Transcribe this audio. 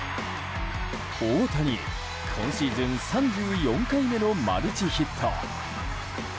大谷、今シーズン３４回目のマルチヒット。